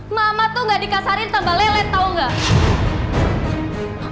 mama tuh nggak dikasarin tambah lelet tau nggak